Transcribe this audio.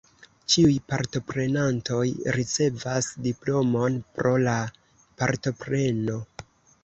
Ĉiuj partoprenantoj ricevas diplomon pro la partopreno.